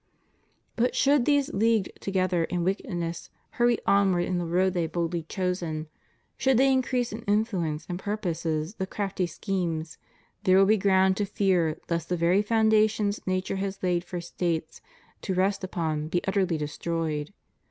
But should those leagued together in wickedness hurry onward in the road they have boldly chosen, should they increase in influence and power in proportion as they make headway in their evil purposes and crafty schemes, there will be ground to fear lest the very foundations nature has laid for States to rest upon be utterly destroyed.